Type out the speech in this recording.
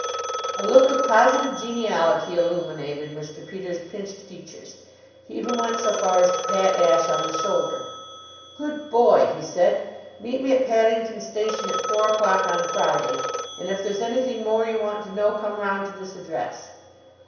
A look of positive geniality illuminated Mr. Peters' pinched features. He even went so far as to pat Ashe on the shoulder. "Good boy!" he said. "Meet me at Paddington Station at four o'clock on Friday. And if there's anything more you want to know come round to this address."